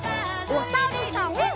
おさるさん。